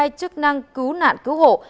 lực lượng chức năng cứu nạn cứu hộ